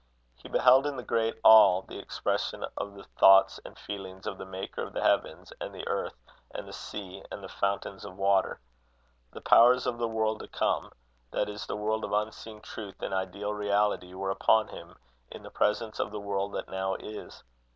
He beheld in the great All the expression of the thoughts and feelings of the maker of the heavens and the earth and the sea and the fountains of water. The powers of the world to come, that is, the world of unseen truth and ideal reality, were upon him in the presence of the world that now is.